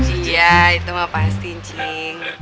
iya itu mah pasti cing